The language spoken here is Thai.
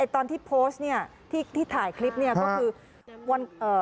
ตอนที่โพสต์นี่ที่ถ่ายคลิปนี่ก็คือ